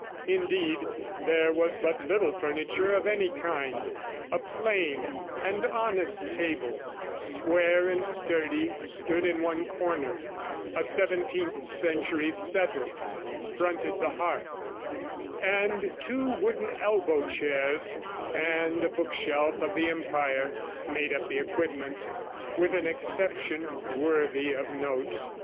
Indeed, there was but little furniture of any kind: a plain and honest table, square and sturdy, stood in one corner; a seventeenth century settle fronted the hearth; and two wooden elbow chairs and a bookshelf of the Empire made up the equipment, with an exception worthy of note.